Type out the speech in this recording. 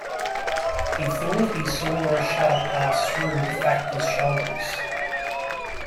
He thought he saw a shudder pass through the Factor's shoulders.